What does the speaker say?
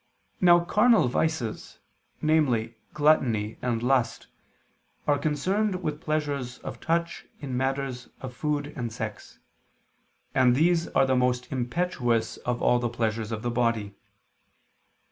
Now carnal vices, namely gluttony and lust, are concerned with pleasures of touch in matters of food and sex; and these are the most impetuous of all pleasures of the body.